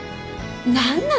何なの？